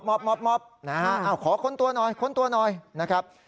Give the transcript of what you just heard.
อบนะฮะขอค้นตัวหน่อยค้นตัวหน่อยนะครับ